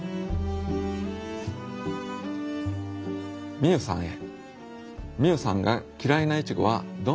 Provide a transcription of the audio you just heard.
みゆさんへ。